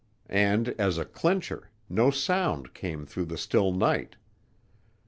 And, as a clincher, no sound came through the still night.